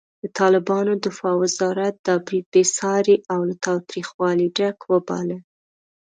د طالبانو دفاع وزارت دا برید بېساری او له تاوتریخوالي ډک وباله.